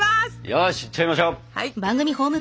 よしいっちゃいましょう！